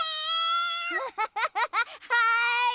はい！